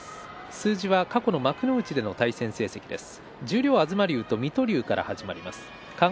数字は過去の幕内での対戦です。